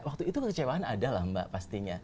waktu itu kecewaan ada lah mbak pastinya